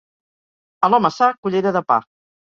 A l'home sa, cullera de pa.